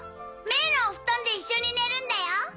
メイのお布団で一緒に寝るんだよ。